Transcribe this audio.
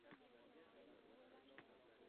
Bolalar xaxolaydi.